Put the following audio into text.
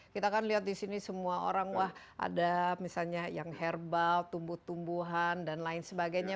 kita kan lihat di sini semua orang wah ada misalnya yang herbal tumbuh tumbuhan dan lain sebagainya